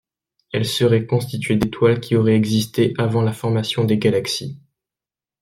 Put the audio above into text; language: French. Elle serait constituée d'étoiles qui auraient existé avant la formation des galaxies.